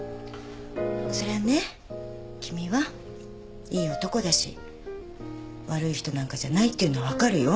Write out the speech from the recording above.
そりゃね君はいい男だし悪い人なんかじゃないっていうのは分かるよ。